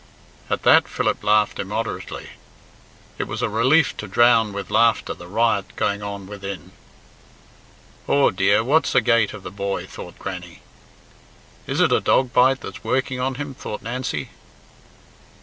At that Philip laughed immoderately. It was a relief to drown with laughter the riot going on within. "Aw, dear, what's agate of the boy?" thought Grannie. "Is it a dog bite that's working on him?" thought Nancy.